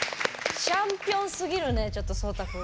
チャンピオンすぎるねちょっとそうた君。